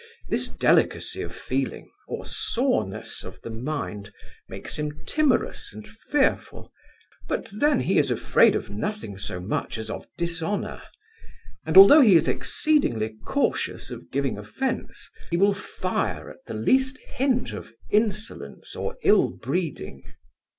This delicacy of feeling, or soreness of the mind, makes him timorous and fearful; but then he is afraid of nothing so much as of dishonour; and although he is exceedingly cautious of giving offence, he will fire at the least hint of insolence or ill breeding.